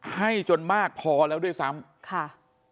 ให้จนมากพอแล้วด้วยซ้ำค่ะ